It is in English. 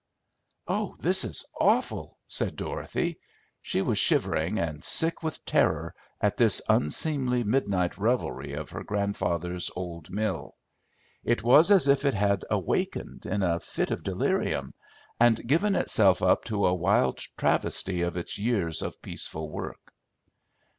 "Oh, this is awful!" said Dorothy. She was shivering and sick with terror at this unseemly midnight revelry of her grandfather's old mill. It was as if it had awakened in a fit of delirium, and given itself up to a wild travesty of its years of peaceful work.